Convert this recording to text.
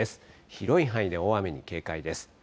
広い範囲で大雨に警戒です。